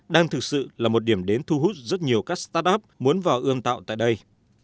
đang thực sự là một điểm đến thu hút rất nhiều các start up muốn vào ươm tạo tại đây